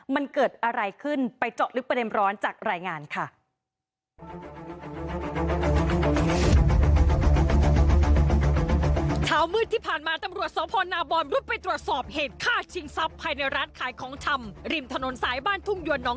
มันเกิดอะไรขึ้นไปเจาะลึกประเด็นร้อนจากรายงานค่ะ